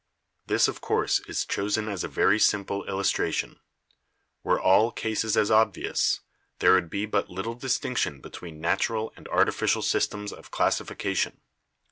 "This, of course, is chosen as a very simple illustration* Were all cases as obvious, there would be but little dis tinction between natural and artificial systems of classifi cation.